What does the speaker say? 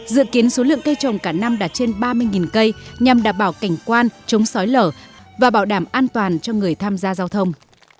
dự kiến số lượng cây trồng cả năm đạt trên ba mươi cây nhằm đảm bảo cảnh quan chống sói lở và bảo đảm an toàn cho người tham gia giao thông